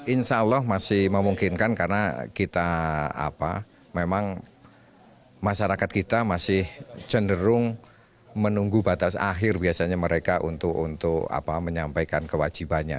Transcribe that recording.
insya allah masih memungkinkan karena kita apa memang masyarakat kita masih cenderung menunggu batas akhir biasanya mereka untuk menyampaikan kewajibannya